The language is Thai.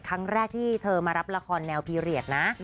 ครั้งแรกที่เธอมารับละครแนวพีเรียสนะ